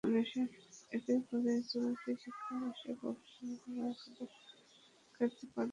এতে করে চলতি শিক্ষাবর্ষে ভর্তি হওয়া একাদশ শ্রেণির শিক্ষার্থীদের পাঠদান ব্যাহত হচ্ছে।